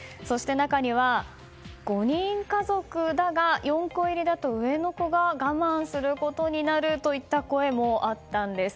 そして中には５人家族だが４個入りだと上の子が我慢することになるといった声もあったんです。